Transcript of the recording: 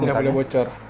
nggak boleh bocor